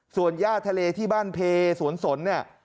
ส่วนย่าทะเลที่บ้านเพสวนสนเนี่ย